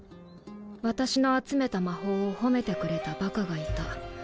私の集めた魔法を褒めてくれたバカがいた。